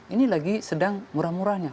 ini lagi sedang murah murahnya